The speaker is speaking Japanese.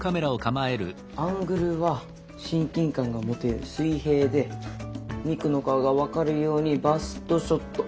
アングルは親近感が持てる水平でミクの顔が分かるようにバストショット。